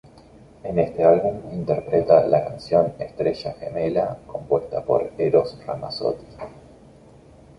En este álbum interpreta la canción "Estrella Gemela", compuesta por Eros Ramazzotti.